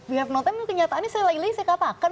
we have no time itu kenyataannya saya lagi lagi saya katakan